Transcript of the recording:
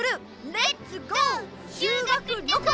レッツゴー修学旅行！